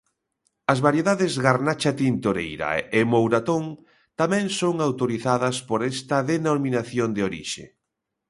As variedades Garnacha Tintoreira e Mouratón tamén son autorizadas por esta denominación de orixe.